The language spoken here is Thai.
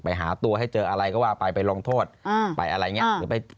ไปหาตัวให้เจออะไรก็ว่าไปไปลงโทษไปอะไรอย่างนี้หรือไป